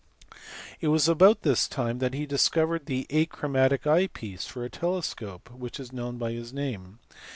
It was about this time that he discovered the achromatic eye piece (for a telescope) which is known by his name.